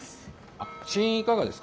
あっ試飲いかがですか？